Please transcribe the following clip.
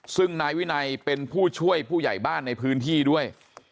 ซึ่งนายวินัยเป็นผู้ช่วยผู้ใหญ่บ้านในพื้นที่ด้วย